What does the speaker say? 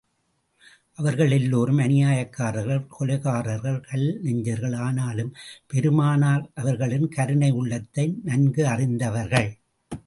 அவர்கள் எல்லோரும் அநியாயக்காரர்கள், கொலைகாரர்கள், கல் நெஞ்சர்கள் ஆனாலும் பெருமானார் அவர்களின் கருணை உளளத்தை நன்கு அறிந்தவர்கள்.